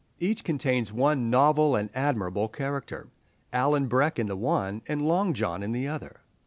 Each contains one novel and admirable character, Alan Breck in the one, and Long John in the other.